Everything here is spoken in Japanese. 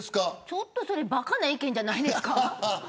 ちょっと、そればかな意見じゃないですか。